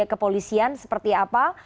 kepolisian seperti apa